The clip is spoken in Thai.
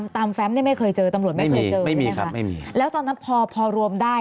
ตามแฟมป์ไม่เคยเจอตำรวจแฟมป์ไม่มีไม่มีแล้วตอนนั้นพอรวมได้